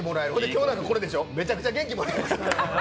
今日なんかこれでしょ、めちゃくちゃ元気もらえる。